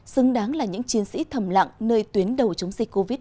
xứng đáng là những chiến sĩ thầm lặng nơi tuyến đầu chống dịch covid một mươi chín